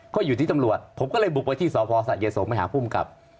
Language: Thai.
เขาอยู่ที่ตำรวจผมก็เลยบุกไปที่สศเยดสมไปหาผู้มกับ